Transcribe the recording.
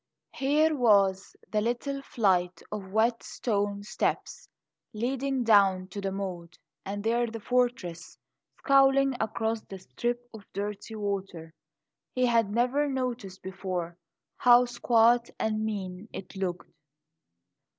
Here was the little flight of wet stone steps leading down to the moat; and there the fortress scowling across the strip of dirty water. He had never noticed before how squat and mean it looked.